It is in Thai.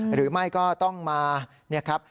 หรือไม่ก็ต้องมาเนี่ยครับ